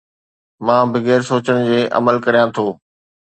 مان بغير سوچڻ جي عمل ڪريان ٿو